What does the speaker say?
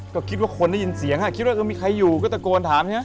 ก็คิดว่าคนได้ยินเสียงคิดว่าเออมีใครอยู่ก็ตะโกนถามใช่ไหม